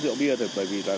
thì bởi vì là